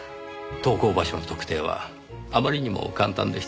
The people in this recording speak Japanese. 投稿場所の特定はあまりにも簡単でした。